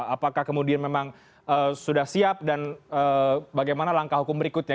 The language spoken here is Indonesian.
apakah kemudian memang sudah siap dan bagaimana langkah hukum berikutnya